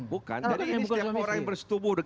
bukan jadi ini setiap orang yang bersetubuh